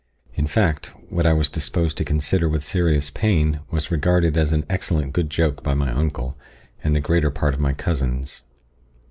In fact, what I was disposed to consider with serious pain, was regarded as an excellent good joke by my uncle, and the greater part of my cousins.